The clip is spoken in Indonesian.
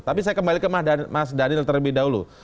tapi saya kembali ke mas daniel terlebih dahulu